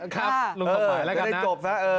ครับลุงสมหมายแล้วกันนะ